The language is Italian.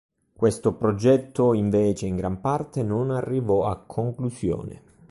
Questo progetto invece in gran parte non arrivò a conclusione.